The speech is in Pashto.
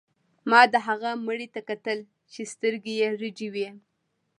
ما د هغه مړي ته کتل چې سترګې یې رډې وې